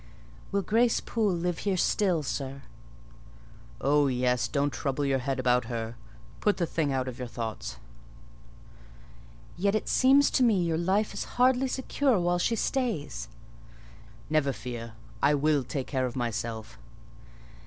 "Will Grace Poole live here still, sir?" "Oh yes! don't trouble your head about her—put the thing out of your thoughts." "Yet it seems to me your life is hardly secure while she stays." "Never fear—I will take care of myself."